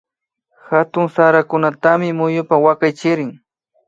Hatun sarakunatami muyupa wakaychirin